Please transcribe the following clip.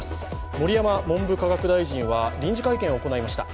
盛山文部科学大臣は臨時会見を行いました。